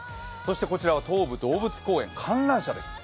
こちらは東武動物公園観覧車です。